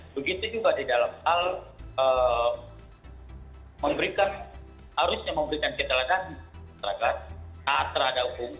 begitu juga di dalam hal memberikan harusnya memberikan citra dan seragat terhadap hukum